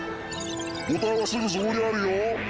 ボタンはすぐそこにあるよ